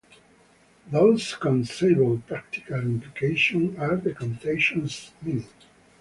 Those conceivable practical implications are the conception's meaning.